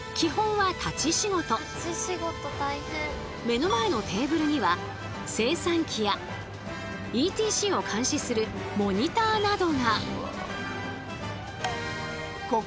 目の前のテーブルには精算機やＥＴＣを監視するモニターなどが。